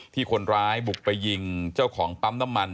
ที่คนร้ายบุกไปยิงเจ้าของปั๊มน้ำมัน